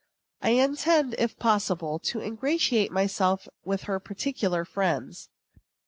I intend, if possible, to ingratiate myself with her particular friends.